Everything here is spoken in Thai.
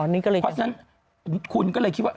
เพราะฉะนั้นคุณก็เลยคิดว่า